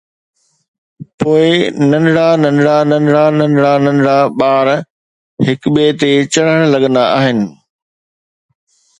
پوءِ ننڍڙا ننڍڙا ننڍڙا ننڍڙا ننڍڙا ٻار هڪ ٻئي تي چڙهڻ لڳندا آهن.